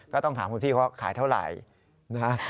ก็ต้องถามคุณพี่เขาขายเท่าไหร่นะ